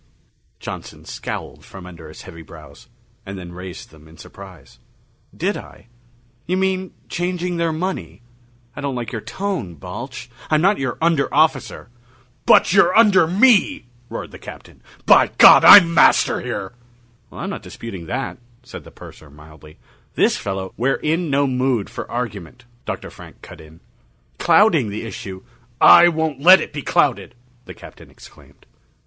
Johnson scowled from under his heavy brows, and then raised them in surprise. "Did I? You mean changing their money? I don't like your tone, Balch. I'm not your under officer!" "But you're under me!" roared the Captain. "By God, I'm master here!" "Well, I'm not disputing that," said the purser mildly. "This fellow " "We're in no mood for argument," Dr. Frank cut in. "Clouding the issue...." "I won't let it be clouded," the Captain exclaimed.